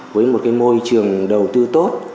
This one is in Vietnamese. với một môi trường đầu tư tốt